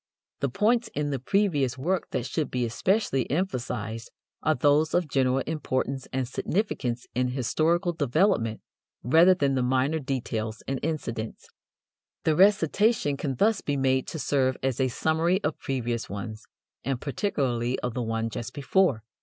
The points in the previous work that should be especially emphasized are those of general importance and significance in historical development rather than the minor details and incidents. The recitation can thus be made to serve as a summary of previous ones, and particularly of the one just before.